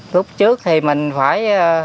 lúc trước thì mình phải